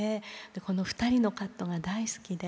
この２人のカットが大好きで。